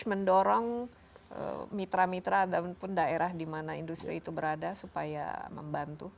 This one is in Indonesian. mendorong mitra mitra ataupun daerah di mana industri itu berada supaya membantu